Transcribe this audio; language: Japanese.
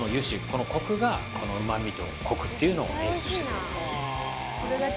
このコクが旨味とコクっていうのを演出してくれるんです